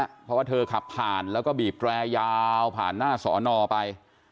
เพราะว่าเธอขับผ่านแล้วก็บีบแรยาวผ่านหน้าสอนอไป